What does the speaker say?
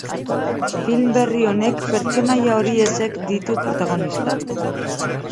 Film berri honek pertsonaia horiexek ditu protagonista.